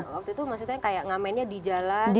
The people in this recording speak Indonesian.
waktu itu maksudnya kayak ngamennya di jalan